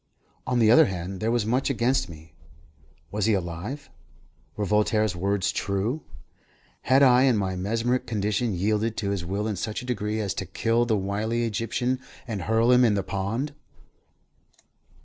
On the other hand, there was much against me. Was he alive? Were Voltaire's words true? Had I in my mesmeric condition yielded to his will in such a degree as to kill the wily Egyptian and hurl him in the pond?